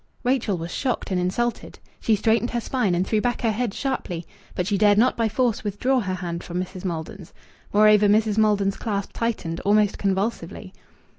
Rachel was shocked and insulted. She straightened her spine and threw back her head sharply. But she dared not by force withdraw her hand from Mrs. Maldon's. Moreover, Mrs. Maldon's clasp tightened almost convulsively.